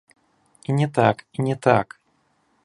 І не так, і не так!